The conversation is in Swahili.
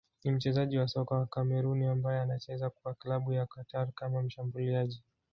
ni mchezaji wa soka wa Kameruni ambaye anacheza kwa klabu ya Qatar kama mshambuliaji